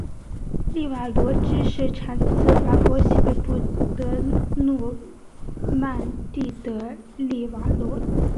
利瓦罗芝士产自法国西北部的诺曼第的利瓦罗。